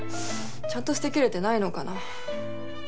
ちゃんと捨てきれてないのかな。